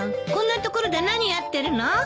こんな所で何やってるの？